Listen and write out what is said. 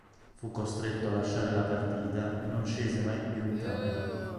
Fu costretto a lasciare la partita e non scese mai più in campo.